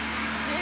え？